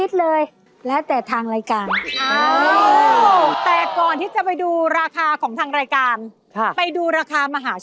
เสื้อยังใหม่นะคะ